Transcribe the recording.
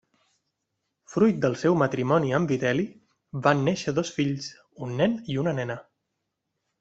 Fruit del seu matrimoni amb Vitel·li van néixer dos fills, un nen i una nena.